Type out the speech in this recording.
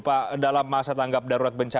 pak dalam masa tanggap darurat bencana